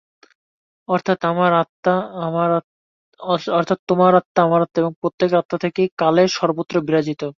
অর্থাৎ তোমার আত্মা, আমার আত্মা এবং প্রত্যেকের আত্মা একই-কালে সর্বত্র বিরাজিত।